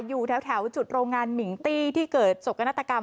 อยู่แถวจุดโรงงานมิงตี้ที่เกิดสกนาฏกรรม